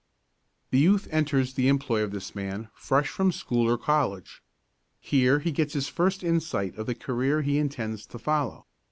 The youth enters the employ of this man fresh from school or college. Here he gets his first insight of the career he intends to follow.